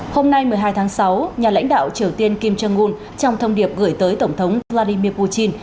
hôm nay một mươi hai tháng sáu nhà lãnh đạo triều tiên kim jong un trong thông điệp gửi tới tổng thống vladimir putin